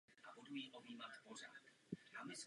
Olive odstupuje pro technické potíže.